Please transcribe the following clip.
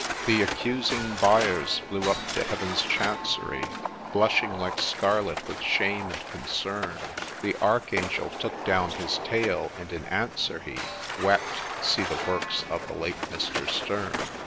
The Accusing Byers l ' flew up to Heaven's Chancery,' Blushing like scarlet with shame and concern ; The Archangel took down his tale, and in answer he Wept — (See the works of the late Mr. Sterne).